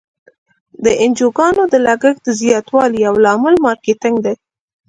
د انجوګانو د لګښت د زیاتوالي یو لامل مارکیټینګ دی.